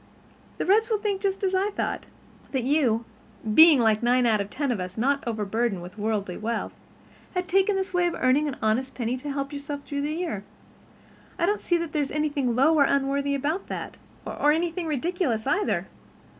"The Reds will think just as I thought—that you, being like nine out of ten of us, not overburdened with worldly wealth, had taken this way of earning an honest penny to help yourself through the year. I don't see that there's anything low or unworthy about that, or anything ridiculous either.